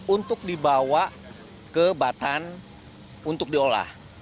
untuk dibawa ke batan untuk diolah